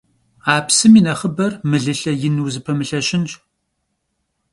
A psım yi nexhıber mılılhe yin vuzıpemılheşınş.